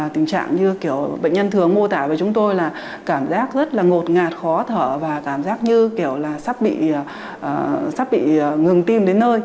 tình trạng như kiểu bệnh nhân thường mô tả với chúng tôi là cảm giác rất là ngột ngạt khó thở và cảm giác như kiểu là sắp bị ngừng tim đến nơi